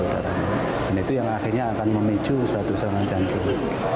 dan itu yang akhirnya akan memicu suatu serangan jantung